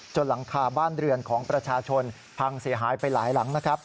หลังคาบ้านเรือนของประชาชนพังเสียหายไปหลายหลังนะครับ